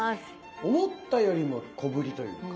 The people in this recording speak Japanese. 思ったよりも小ぶりというか